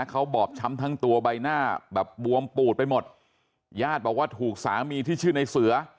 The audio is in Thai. เขาบอบช้ำทั้งตัวใบหน้าแบบบวมปูดไปหมดญาติบอกว่าถูกสามีที่ชื่อในเสือ